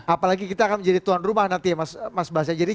apalagi kita akan menjadi tuan rumah nanti ya mas basyah